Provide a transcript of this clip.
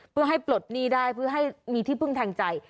เพื่อให้ปลดหนี้ได้เพื่อให้มีที่พึ่งทางใจ